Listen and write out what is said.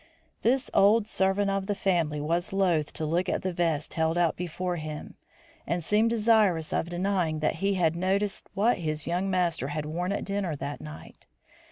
This old servant of the family was loath to look at the vest held out before him, and seemed desirous of denying that he had noticed what his young master had worn at dinner that night.